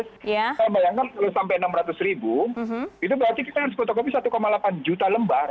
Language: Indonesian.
saya bayangkan kalau sampai enam ratus ribu itu berarti kita harus fotokopi satu delapan juta lembar